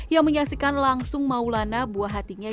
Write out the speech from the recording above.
yang menyaksikan langsung maulana buah hatinya